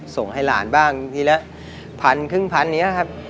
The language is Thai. ส่งให้หลานบ้างทีละพันครึ่งพันอย่างนี้ครับ